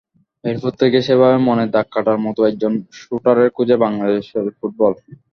এরপর থেকে সেভাবে মনে দাগ কাটার মতো একজন শুটারের খোঁজে বাংলাদেশের ফুটবল।